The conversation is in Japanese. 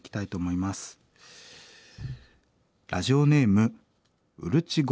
ラジオネームうるち米